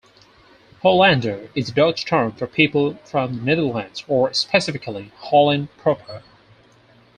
"Hollander" is a Dutch term for people from the Netherlands, or specifically Holland proper.